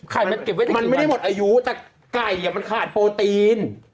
ไข่มันเก็บไว้แต่กินไหมมันไม่ได้หมดอายุแต่ไก่อ่ะมันขาดโปรตีน